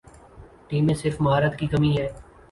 Team میں صرف مہارت کی کمی ہے ۔